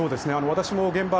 私も現場